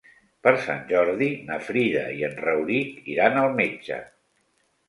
Per Sant Jordi na Frida i en Rauric iran al metge.